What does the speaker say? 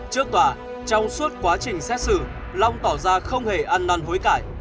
trước tòa trong suốt quá trình xét xử long tỏ ra không hề ăn năn hối cải